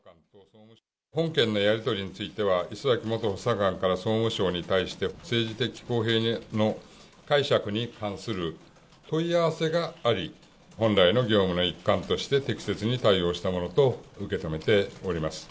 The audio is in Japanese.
本件のやり取りについては、礒崎元補佐官から総務省に対して、政治的公平の解釈に関する問い合わせがあり、本来の業務の一環として適切に対応したものと受け止めております。